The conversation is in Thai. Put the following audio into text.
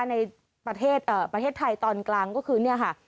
ในประเทศเอ่อประเทศไทยตอนกลางก็คือเนี่ยค่ะ